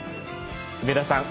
梅田さん